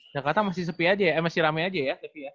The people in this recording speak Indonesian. jakarta masih sepi aja ya masih rame aja ya